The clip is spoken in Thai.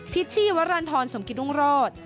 พิธีวรรณธรสมกิตรุงโรศ